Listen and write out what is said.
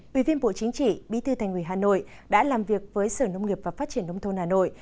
ủy viên bộ chính trị đã làm việc với sở nông nghiệp và phát triển nông thôn hà nội